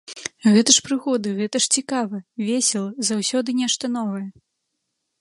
Гэта ж прыгоды, гэта ж цікава, весела, заўсёды нешта новае.